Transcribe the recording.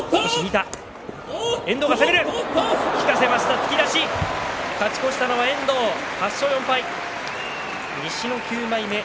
突き出し勝ち越したのは遠藤８勝４敗です。